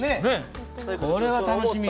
これは楽しみ。